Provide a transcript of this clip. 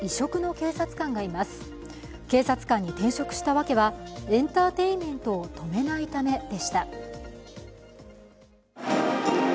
警察官に転職した訳はエンターテインメントを止めないためでした。